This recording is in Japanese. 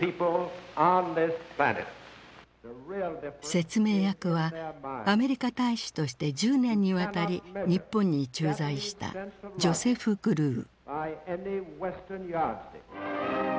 説明役はアメリカ大使として１０年にわたり日本に駐在したジョセフ・グルー。